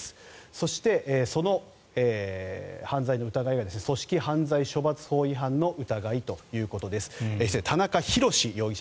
そしてその犯罪の疑いが組織犯罪処罰法違反の疑いということです。